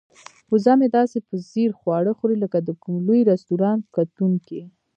وزه مې داسې په ځیر خواړه خوري لکه د کوم لوی رستورانت کتونکی.